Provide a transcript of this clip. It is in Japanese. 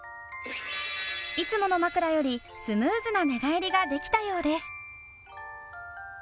いつもの枕よりスムーズな寝返りができたようです。